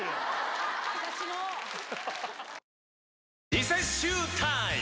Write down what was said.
リセッシュータイム！